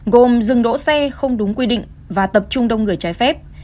gồm dừng đỗ xe không đúng quy định và tập trung đông người trái phép